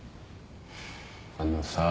あのさ。